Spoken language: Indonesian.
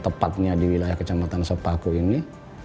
tepatnya di wilayah kecamatan sepaku ini